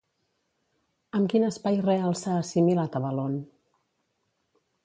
Amb quin espai real s'ha assimilat Avalon?